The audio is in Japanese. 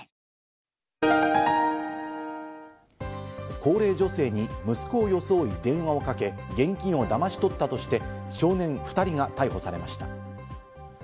高齢女性に息子を装い電話をかけ、現金をだまし取ったとして、少年２人が逮捕されました。